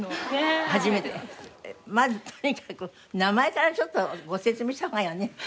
まずとにかく名前からちょっとご説明した方がいいわね。